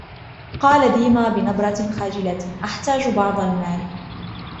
قال ديما بنبرة خجِلة: " أحتاج بعض المال ،"